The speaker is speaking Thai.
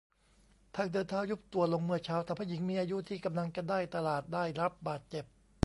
ทางเดินเท้ายุบตัวลงเมื่อเช้า ทำให้หญิงมีอายุที่กำลังจะได้ตลาดได้รับบาดเจ็บ